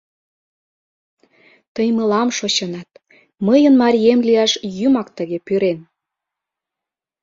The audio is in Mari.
Тый мылам шочынат, мыйын марием лияш Юмак тыге пӱрен.